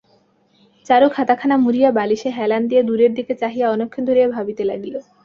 চারু খাতাখানা মুড়িয়া বালিশে হেলান দিয়া দূরের দিকে চাহিয়া অনেকক্ষণ ধরিয়া ভাবিতে লাগিল।